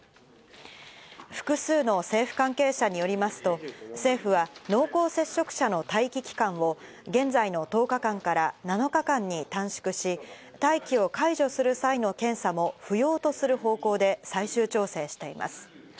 複数の政府関係者によりますと、政府は濃厚接触者の待機期間を現在の１０日間から７日間に短縮し、待機を解除する際の検査も不要とする方向で最終調整しています。